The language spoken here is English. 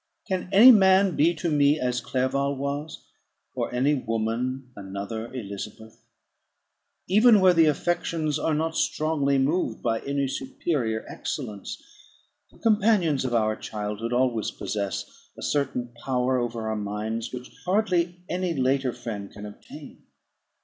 Can any man be to me as Clerval was; or any woman another Elizabeth? Even where the affections are not strongly moved by any superior excellence, the companions of our childhood always possess a certain power over our minds, which hardly any later friend can obtain.